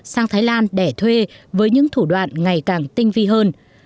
sang thái lan để thuê với những thủ đoạn ngày càng tinh vi hơn